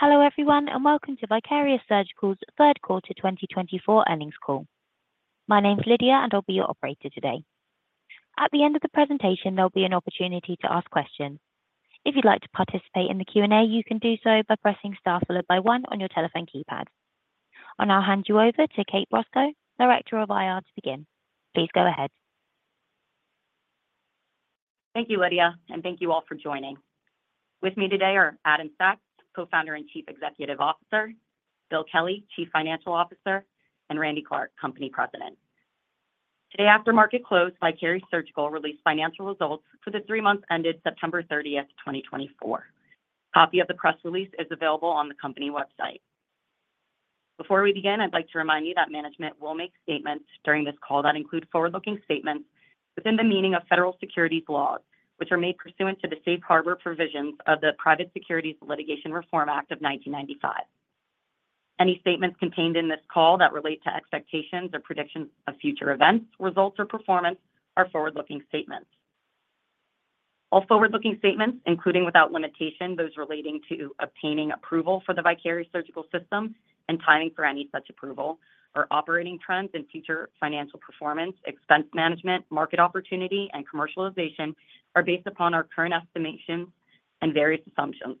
Hello everyone and welcome to Vicarious Surgical's Third Quarter 2024 Earnings Call. My name's Lydia and I'll be your operator today. At the end of the presentation, there'll be an opportunity to ask questions. If you'd like to participate in the Q&A, you can do so by pressing star followed by one on your telephone keypad. I'll now hand you over to Kate Brosco, Director of IR, to begin. Please go ahead. Thank you, Lydia, and thank you all for joining. With me today are Adam Sachs, Co-founder and Chief Executive Officer, Bill Kelly, Chief Financial Officer, and Randy Clark, Company President. Today, after market close, Vicarious Surgical released financial results for the three months ended September 30th, 2024. A copy of the press release is available on the company website. Before we begin, I'd like to remind you that management will make statements during this call that include forward-looking statements within the meaning of federal securities laws, which are made pursuant to the safe harbor provisions of the Private Securities Litigation Reform Act of 1995. Any statements contained in this call that relate to expectations or predictions of future events, results, or performance are forward-looking statements. All forward-looking statements, including without limitation those relating to obtaining approval for the Vicarious Surgical system and timing for any such approval, or operating trends in future financial performance, expense management, market opportunity, and commercialization, are based upon our current estimations and various assumptions.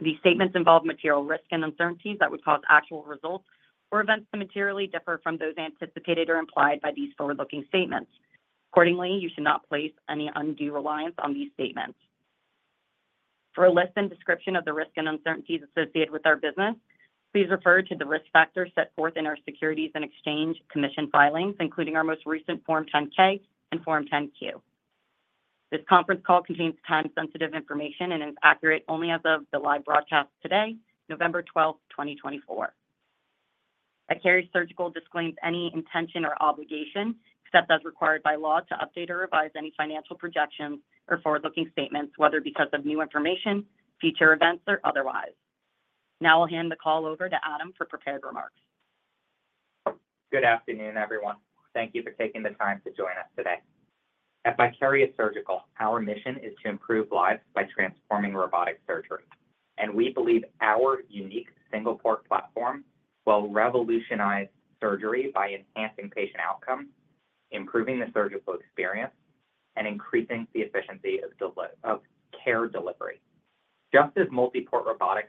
These statements involve material risks and uncertainties that would cause actual results or events to materially differ from those anticipated or implied by these forward-looking statements. Accordingly, you should not place any undue reliance on these statements. For a list and description of the risks and uncertainties associated with our business, please refer to the risk factors set forth in our Securities and Exchange Commission filings, including our most recent Form 10-K and Form 10-Q. This conference call contains time-sensitive information and is accurate only as of the live broadcast today, November 12th, 2024. Vicarious Surgical disclaims any intention or obligation, except as required by law, to update or revise any financial projections or forward-looking statements, whether because of new information, future events, or otherwise. Now I'll hand the call over to Adam for prepared remarks. Good afternoon, everyone. Thank you for taking the time to join us today. At Vicarious Surgical, our mission is to improve lives by transforming robotic surgery, and we believe our unique single-port platform will revolutionize surgery by enhancing patient outcomes, improving the surgical experience, and increasing the efficiency of care delivery. Just as multi-port robotics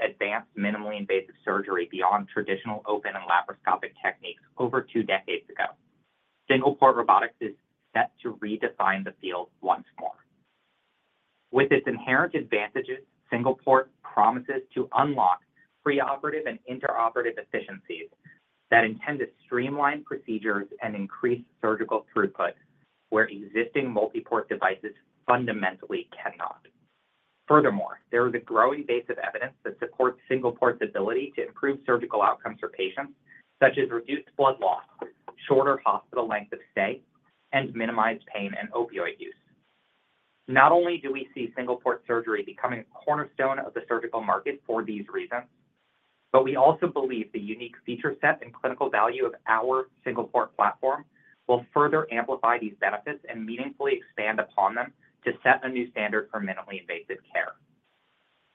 advanced minimally invasive surgery beyond traditional open and laparoscopic techniques over two decades ago, single-port robotics is set to redefine the field once more. With its inherent advantages, single-port promises to unlock pre-operative and interoperative efficiencies that intend to streamline procedures and increase surgical throughput where existing multi-port devices fundamentally cannot. Furthermore, there is a growing base of evidence that supports single-port's ability to improve surgical outcomes for patients, such as reduced blood loss, shorter hospital length of stay, and minimized pain and opioid use. Not only do we see single-port surgery becoming a cornerstone of the surgical market for these reasons, but we also believe the unique feature set and clinical value of our single-port platform will further amplify these benefits and meaningfully expand upon them to set a new standard for minimally invasive care.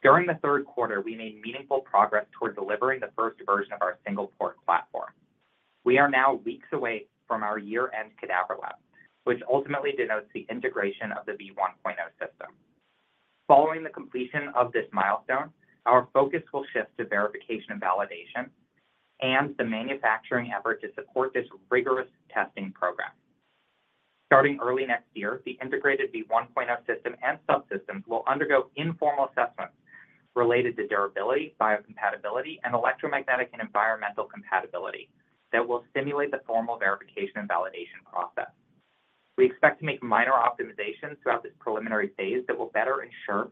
During the third quarter, we made meaningful progress toward delivering the first version of our single-port platform. We are now weeks away from our year-end cadaver lab, which ultimately denotes the integration of the V1.0 system. Following the completion of this milestone, our focus will shift to verification and validation and the manufacturing effort to support this rigorous testing program. Starting early next year, the integrated V1.0 system and subsystems will undergo informal assessments related to durability, biocompatibility, and electromagnetic and environmental compatibility that will simulate the formal verification and validation process. We expect to make minor optimizations throughout this preliminary phase that will better ensure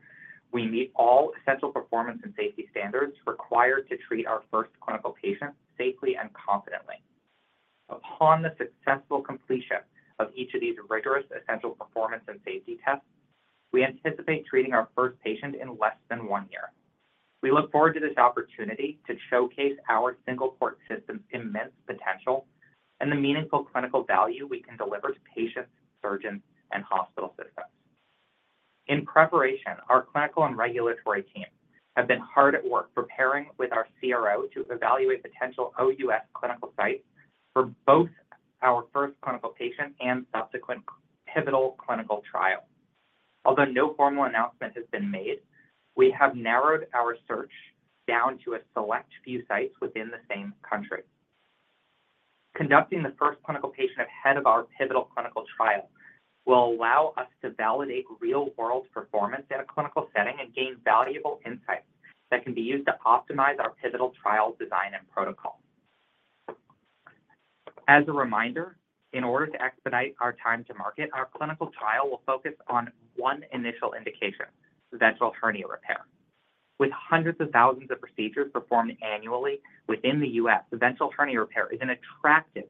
we meet all essential performance and safety standards required to treat our first clinical patients safely and confidently. Upon the successful completion of each of these rigorous essential performance and safety tests, we anticipate treating our first patient in less than one year. We look forward to this opportunity to showcase our single-port system's immense potential and the meaningful clinical value we can deliver to patients, surgeons, and hospital systems. In preparation, our clinical and regulatory team have been hard at work preparing with our CRO to evaluate potential OUS clinical sites for both our first clinical patient and subsequent pivotal clinical trials. Although no formal announcement has been made, we have narrowed our search down to a select few sites within the same country. Conducting the first clinical patient ahead of our pivotal clinical trial will allow us to validate real-world performance in a clinical setting and gain valuable insights that can be used to optimize our pivotal trial design and protocol. As a reminder, in order to expedite our time to market, our clinical trial will focus on one initial indication: ventral hernia repair. With hundreds of thousands of procedures performed annually within the U.S., ventral hernia repair is an attractive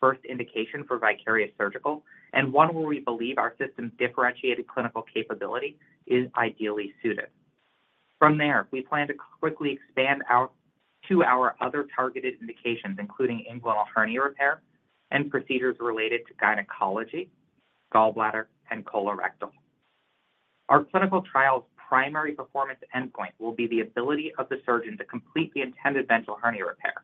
first indication for Vicarious Surgical and one where we believe our system's differentiated clinical capability is ideally suited. From there, we plan to quickly expand out to our other targeted indications, including inguinal hernia repair and procedures related to gynecology, gallbladder, and colorectal. Our clinical trial's primary performance endpoint will be the ability of the surgeon to complete the intended ventral hernia repair,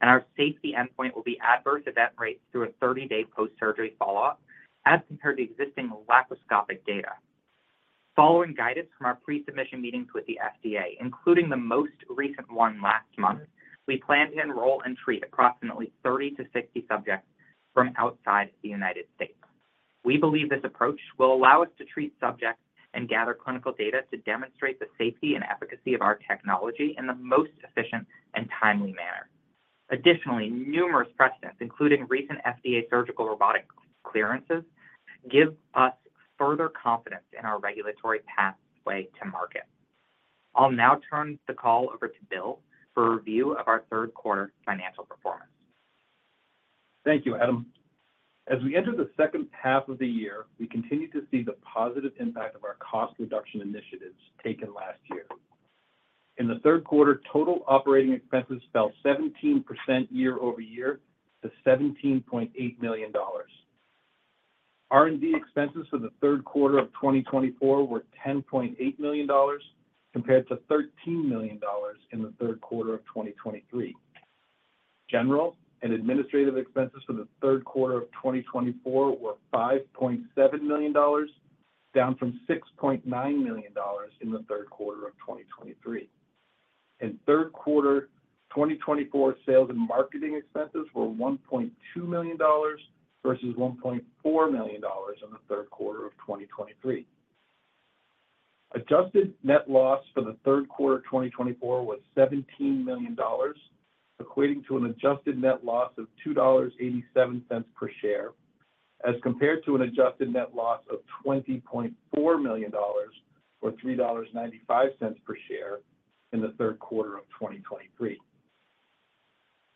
and our safety endpoint will be adverse event rates through a 30-day post-surgery follow-up as compared to existing laparoscopic data. Following guidance from our pre-submission meetings with the FDA, including the most recent one last month, we plan to enroll and treat approximately 30 to 60 subjects from outside the United States. We believe this approach will allow us to treat subjects and gather clinical data to demonstrate the safety and efficacy of our technology in the most efficient and timely manner. Additionally, numerous precedents, including recent FDA surgical robotic clearances, give us further confidence in our regulatory pathway to market. I'll now turn the call over to Bill for review of our third quarter financial performance. Thank you, Adam. As we enter the second half of the year, we continue to see the positive impact of our cost reduction initiatives taken last year. In the third quarter, total operating expenses fell 17% year-over-year to $17.8 million. R&D expenses for the third quarter of 2024 were $10.8 million compared to $13 million in the third quarter of 2023. General and administrative expenses for the third quarter of 2024 were $5.7 million, down from $6.9 million in the third quarter of 2023. In third quarter, 2024 sales and marketing expenses were $1.2 million versus $1.4 million in the third quarter of 2023. Adjusted net loss for the third quarter of 2024 was $17 million, equating to an adjusted net loss of $2.87 per share as compared to an adjusted net loss of $20.4 million or $3.95 per share in the third quarter of 2023.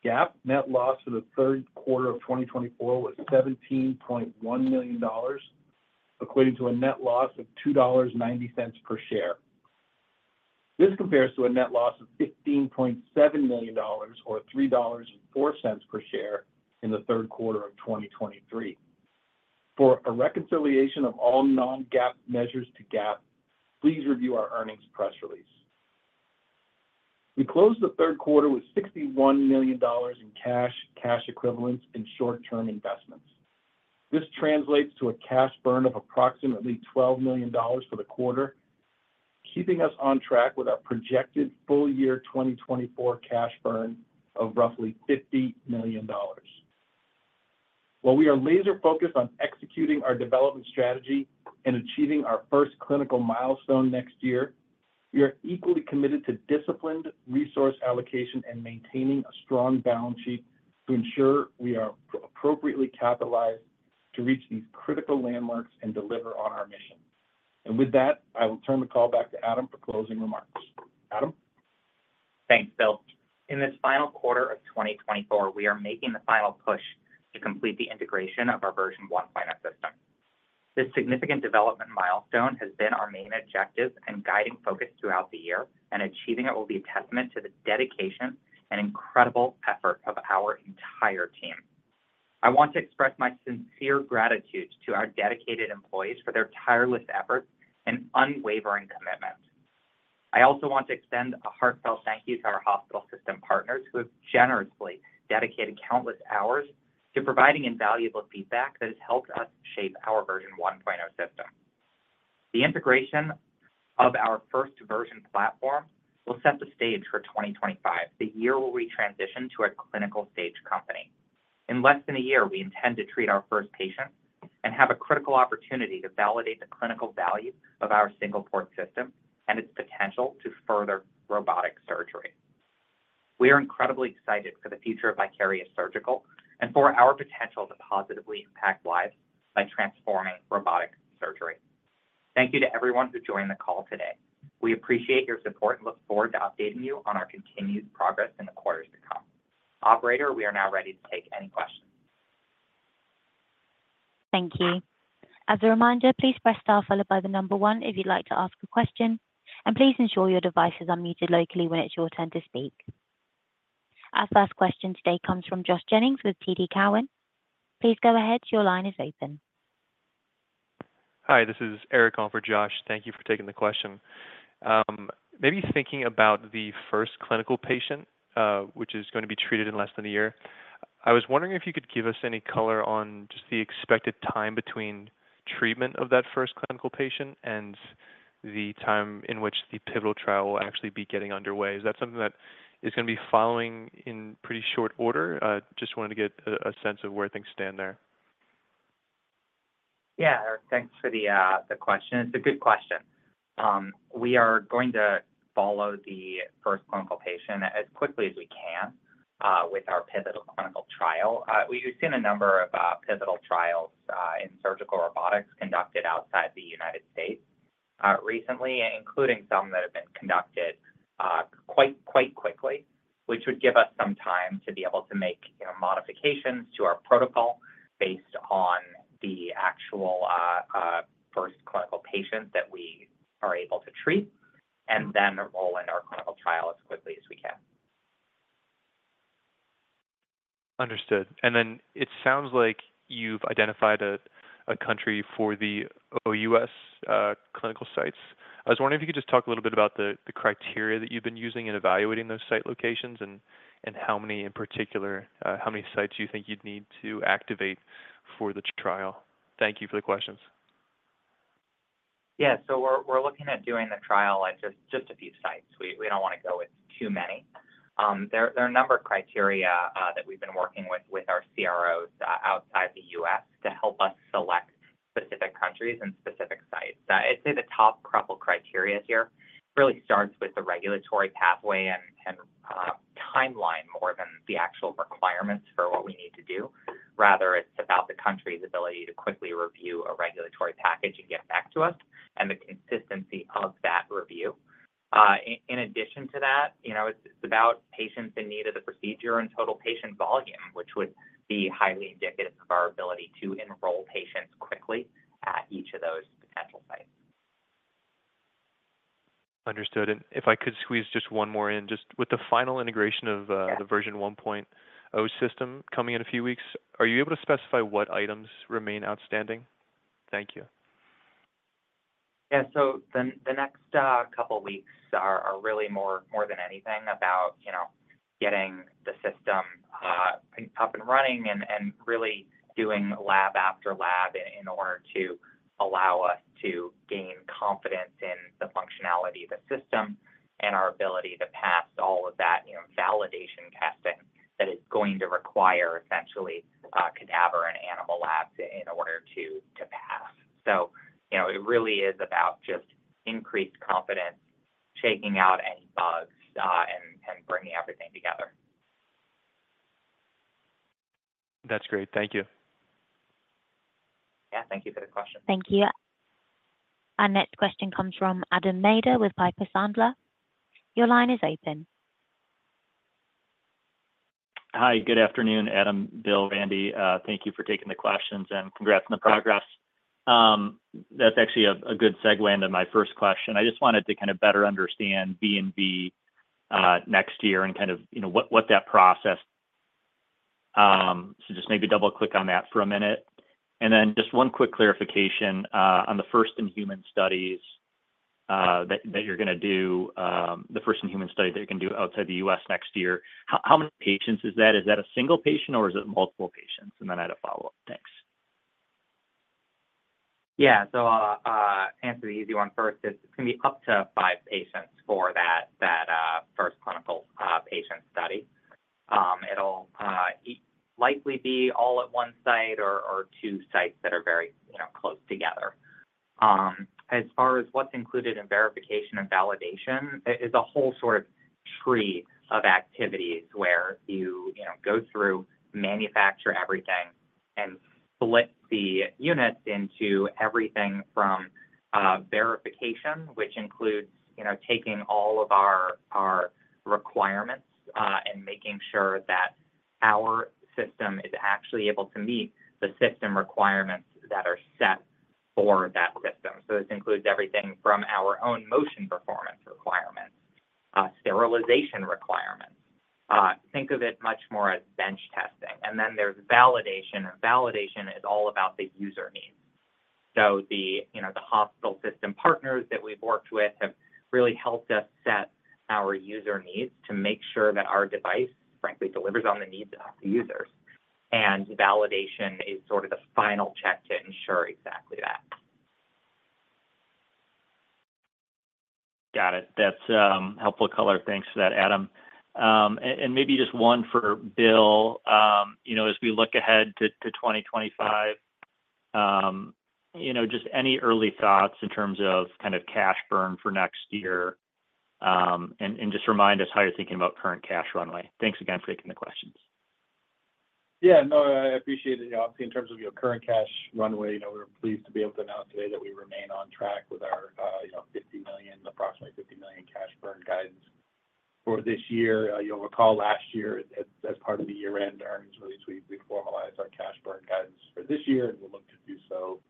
GAAP net loss for the third quarter of 2024 was $17.1 million, equating to a net loss of $2.90 per share. This compares to a net loss of $15.7 million or $3.04 per share in the third quarter of 2023. For a reconciliation of all non-GAAP measures to GAAP, please review our earnings press release. We closed the third quarter with $61 million in cash, cash equivalents, and short-term investments. This translates to a cash burn of approximately $12 million for the quarter, keeping us on track with our projected full year 2024 cash burn of roughly $50 million. While we are laser-focused on executing our development strategy and achieving our first clinical milestone next year, we are equally committed to disciplined resource allocation and maintaining a strong balance sheet to ensure we are appropriately capitalized to reach these critical landmarks and deliver on our mission. And with that, I will turn the call back to Adam for closing remarks. Adam? Thanks, Bill. In this final quarter of 2024, we are making the final push to complete the integration of our Version 1.0 system. This significant development milestone has been our main objective and guiding focus throughout the year, and achieving it will be a testament to the dedication and incredible effort of our entire team. I want to express my sincere gratitude to our dedicated employees for their tireless efforts and unwavering commitment. I also want to extend a heartfelt thank you to our hospital system partners who have generously dedicated countless hours to providing invaluable feedback that has helped us shape our Version 1.0 system. The integration of our first version platform will set the stage for 2025, the year where we transition to a clinical stage company. In less than a year, we intend to treat our first patients and have a critical opportunity to validate the clinical value of our single-port system and its potential to further robotic surgery. We are incredibly excited for the future of Vicarious Surgical and for our potential to positively impact lives by transforming robotic surgery. Thank you to everyone who joined the call today. We appreciate your support and look forward to updating you on our continued progress in the quarters to come. Operator, we are now ready to take any questions. Thank you. As a reminder, please press star followed by the number one if you'd like to ask a question, and please ensure your device is unmuted locally when it's your turn to speak. Our first question today comes from Josh Jennings with TD Cowen. Please go ahead. Your line is open. Hi, this is Eric calling for Josh. Thank you for taking the question. Maybe thinking about the first clinical patient, which is going to be treated in less than a year, I was wondering if you could give us any color on just the expected time between treatment of that first clinical patient and the time in which the pivotal trial will actually be getting underway. Is that something that is going to be following in pretty short order? Just wanted to get a sense of where things stand there. Yeah, Eric, thanks for the question. It's a good question. We are going to follow the first clinical patient as quickly as we can with our pivotal clinical trial. We've seen a number of pivotal trials in surgical robotics conducted outside the United States recently, including some that have been conducted quite quickly, which would give us some time to be able to make modifications to our protocol based on the actual first clinical patient that we are able to treat and then roll in our clinical trial as quickly as we can. Understood. And then it sounds like you've identified a country for the OUS clinical sites. I was wondering if you could just talk a little bit about the criteria that you've been using in evaluating those site locations and how many in particular, how many sites you think you'd need to activate for the trial. Thank you for the questions. Yeah, so we're looking at doing the trial at just a few sites. We don't want to go with too many. There are a number of criteria that we've been working with our CROs outside the U.S. to help us select specific countries and specific sites. I'd say the top couple criteria here really starts with the regulatory pathway and timeline more than the actual requirements for what we need to do. Rather, it's about the country's ability to quickly review a regulatory package and get back to us and the consistency of that review. In addition to that, it's about patients in need of the procedure and total patient volume, which would be highly indicative of our ability to enroll patients quickly at each of those potential sites. Understood. And if I could squeeze just one more in, just with the final integration of the version 1.0 system coming in a few weeks, are you able to specify what items remain outstanding? Thank you. Yeah, so the next couple of weeks are really more than anything about getting the system up and running and really doing lab after lab in order to allow us to gain confidence in the functionality of the system and our ability to pass all of that validation testing that is going to require essentially cadaver and animal labs in order to pass. So it really is about just increased confidence, shaking out any bugs, and bringing everything together. That's great. Thank you. Yeah, thank you for the question. Thank you. Our next question comes from Adam Maeder with Piper Sandler. Your line is open. Hi, good afternoon, Adam, Bill, Randy. Thank you for taking the questions and congrats on the progress. That's actually a good segue into my first question. I just wanted to kind of better understand V&V next year and kind of what that process is. So just maybe double-click on that for a minute. And then just one quick clarification on the first in human studies that you're going to do, the first in human study that you're going to do outside the U.S. next year. How many patients is that? Is that a single patient or is it multiple patients? And then I had a follow-up. Thanks. Yeah, so I'll answer the easy one first. It's going to be up to five patients for that first clinical patient study. It'll likely be all at one site or two sites that are very close together. As far as what's included in verification and validation, it is a whole sort of tree of activities where you go through, manufacture everything, and split the units into everything from verification, which includes taking all of our requirements and making sure that our system is actually able to meet the system requirements that are set for that system, so this includes everything from our own motion performance requirements, sterilization requirements. Think of it much more as bench testing, and then there's validation, and validation is all about the user needs. The hospital system partners that we've worked with have really helped us set our user needs to make sure that our device, frankly, delivers on the needs of the users, and validation is sort of the final check to ensure exactly that. Got it. That's helpful color. Thanks for that, Adam. And maybe just one for Bill, as we look ahead to 2025, just any early thoughts in terms of kind of cash burn for next year and just remind us how you're thinking about current cash runway. Thanks again for taking the questions. Yeah, no, I appreciate it. Obviously, in terms of your current cash runway, we're pleased to be able to announce today that we remain on track with our approximately $50 million cash burn guidance for this year. You'll recall last year as part of the year-end earnings release, we formalized our cash burn guidance for this year and we'll look to do so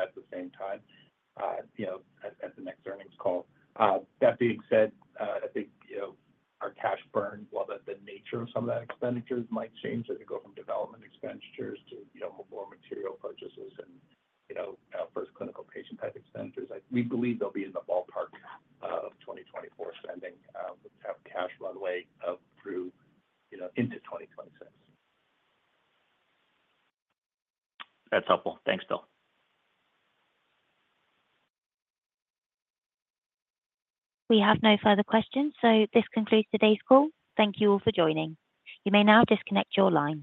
at the same time at the next earnings call. That being said, I think our cash burn, while the nature of some of that expenditures might change, as you go from development expenditures to more material purchases and first clinical patient-type expenditures, we believe they'll be in the ballpark of 2024 spending to have cash runway through into 2026. That's helpful. Thanks, Bill. We have no further questions. So this concludes today's call. Thank you all for joining. You may now disconnect your line.